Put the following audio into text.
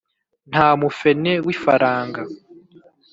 Nta mufene w’ifaranga